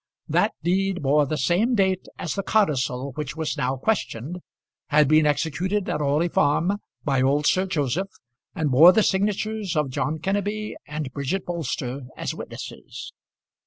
That deed bore the same date as the codicil which was now questioned, had been executed at Orley Farm by old Sir Joseph, and bore the signatures of John Kenneby and Bridget Bolster as witnesses.